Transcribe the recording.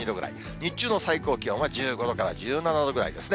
日中の最高気温は１５度から１７度ぐらいですね。